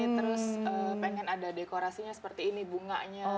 terus pengen ada dekorasinya seperti ini bunganya